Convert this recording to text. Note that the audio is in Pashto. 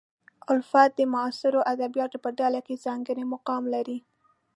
الفت د معاصرو ادیبانو په ډله کې ځانګړی مقام لري.